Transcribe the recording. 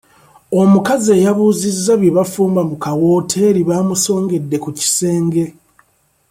Omukazi eyabuuzizza bye bafumba mu kawooteeri baamusongedde ku kisenge